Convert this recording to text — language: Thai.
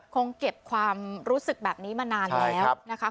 คงเก็บความรู้สึกแบบนี้มานานแล้วนะคะ